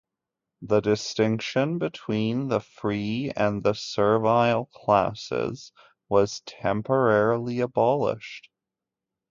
The distinction between the free and the servile classes was temporarily abolished.